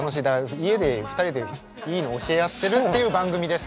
家で２人でいいの教え合ってるっていう番組です。